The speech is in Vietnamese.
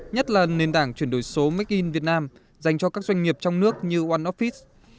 nhất là nền tảng chuyển đổi số make in vietnam dành cho các doanh nghiệp trong nước như oneoffice